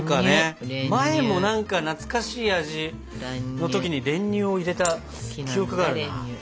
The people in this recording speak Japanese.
前も何か懐かしい味の時に練乳を入れた記憶があるな。